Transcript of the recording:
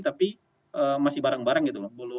tapi masih bareng bareng gitu